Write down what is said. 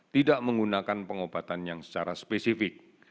tidak menggunakan pengobatan yang secara spesifik